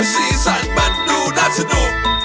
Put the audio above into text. สีสันมันดูน่าสนุก